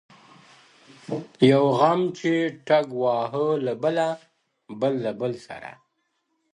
يو غم چي ټک واهه له بله ـ بل له بله سره’